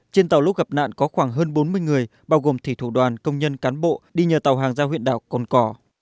trên tàu lúc gặp nạn có khoảng hơn bốn mươi người bao gồm thủy thủ đoàn công nhân cán bộ đi nhờ tàu hàng ra huyện đảo cồn cỏ